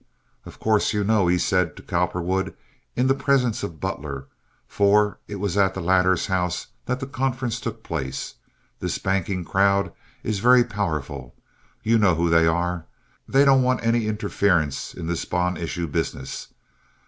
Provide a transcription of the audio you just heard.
"Of course, you know," he said to Cowperwood, in the presence of Butler, for it was at the latter's home that the conference took place, "this banking crowd is very powerful. You know who they are. They don't want any interference in this bond issue business.